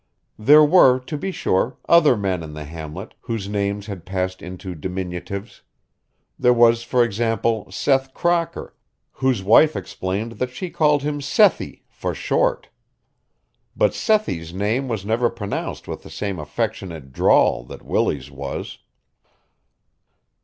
There were, to be sure, other men in the hamlet whose names had passed into diminutives. There was, for example, Seth Crocker, whose wife explained that she called him Sethie "for short." But Sethie's name was never pronounced with the same affectionate drawl that Willie's was.